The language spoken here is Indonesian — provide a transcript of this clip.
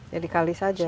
jadi kali saja